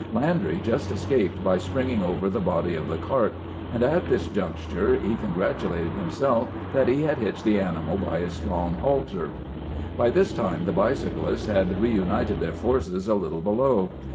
Landry just escaped by springing over the body of the cart; and at this juncture he congratulated himself that he had hitched the animal by so strong a halter. "By this time the bicyclists had reunited their forces a little below.